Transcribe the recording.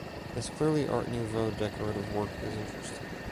Its clearly art-nouveau decorative work is interesting.